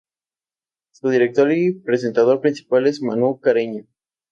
Su director y presentador principal es Manu Carreño.